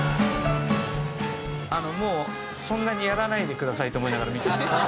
もうそんなにやらないでくださいと思いながら見てました。